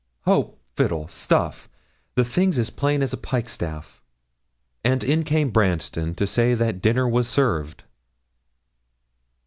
'Hope? fiddle! stuff! the thing's as plain as a pikestaff.' And in came Branston to say that dinner was served.